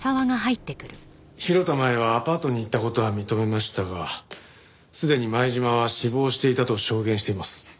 広田舞はアパートに行った事は認めましたがすでに前島は死亡していたと証言しています。